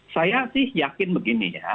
saya sih yakin begini ya